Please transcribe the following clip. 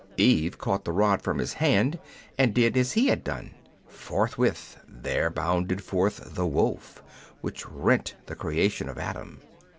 Eve caught the rod from his hand, and did as he had done ; forthwith there bounded forth the wolf, which rent the creation of Adam.